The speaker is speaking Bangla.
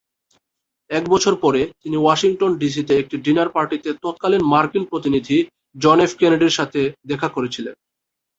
এক বছর পরে, তিনি ওয়াশিংটন ডিসিতে একটি ডিনার পার্টিতে তৎকালীন মার্কিন প্রতিনিধি জন এফ কেনেডির সাথে দেখা করেছিলেন।